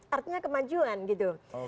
artinya kemajuan gitu